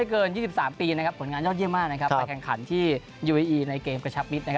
ครับใช่ครับก